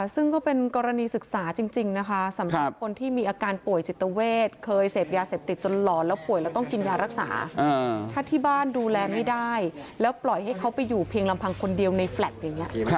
ซึ่งก็เป็นกรณีศึกษาจริงนะคะสำหรับคนที่มีอาการป่วยจิตเวทเคยเสพยาเสพติดจนหลอนแล้วป่วยแล้วต้องกินยารักษาถ้าที่บ้านดูแลไม่ได้แล้วปล่อยให้เขาไปอยู่เพียงลำพังคนเดียวในแฟลต์อย่างนี้